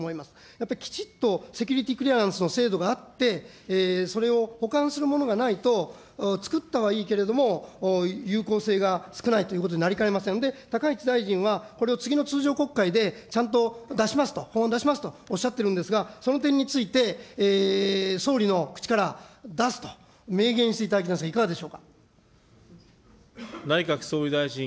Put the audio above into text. やっぱり、きちっとセキュリティ・クリアランスの制度があって、それを補完するものがないと、つくったはいいけれども、有効性が少ないということになりかねませんので、高市大臣は、これを次の通常国会でちゃんと出しますと、法案を出しますとおっしゃるんですが、その点について、総理の口から、出すと明言していただきたいんですが、いかがでしょうか。